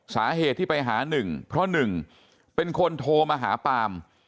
สาเหตุที่ไปหาหนึ่งเพราะหนึ่งเป็นคนโทรมาหาปาม